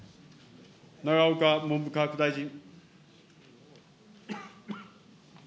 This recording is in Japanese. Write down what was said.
永岡文部科学大臣。